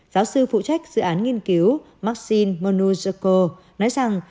giáo sư phụ trách dự án nghiên cứu maxine monuzako nói rằng